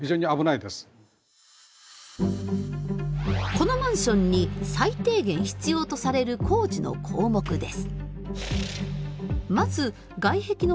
このマンションに最低限必要とされる工事の項目です。